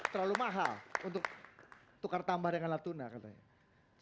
terlalu mahal untuk tukar tambah dengan natuna katanya